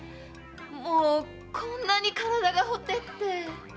もうこんなに体がほてって。